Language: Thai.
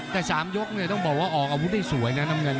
แต่๓ยกต้องบอกว่าออกอาวุธได้สวยนะน้ำเงิน